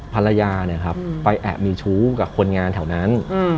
ภรรยาไปแอบมีชู้กับคนงานแถวนั้น